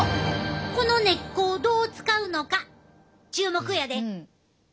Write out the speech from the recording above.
この根っこをどう使うのか注目やで。